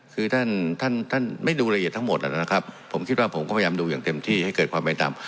คือท่านท่านไม่ดูละเอียดทั้งหมดนะครับผมคิดว่าผมก็พยายามดูอย่างเต็มที่ให้เกิดความไม่ต่ำ